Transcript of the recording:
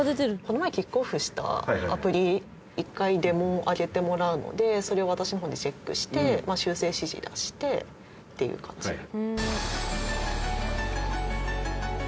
この前キックオフしたアプリ１回デモを上げてもらうのでそれを私の方でチェックして修正指示出してっていう感じ。